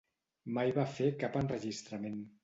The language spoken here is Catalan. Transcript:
Mai va fer cap enregistrament.